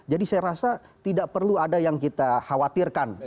jadi saya rasa tidak perlu ada yang kita khawatirkan